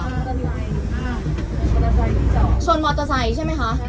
ชนมอเตอร์ไซค์ชนมอเตอร์ไซค์ใช่ไหมคะ